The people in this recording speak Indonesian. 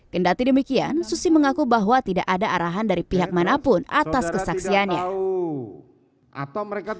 kendati demikian susi mengaku bahwa tidak ada arahan dari pihak manapun atas kesaksiannya